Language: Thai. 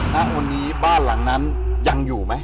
ณวันนี้บ้านหลังนั้นยังอยู่ไหม